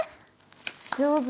上手。